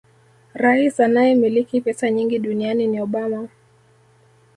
Rais anayemiliki pesa nyingi duniani ni Obama